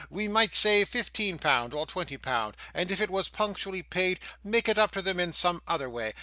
We might say fifteen pound, or twenty pound, and if it was punctually paid, make it up to them in some other way.